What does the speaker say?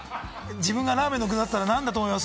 自分がラーメンの具だったら、何だと思います？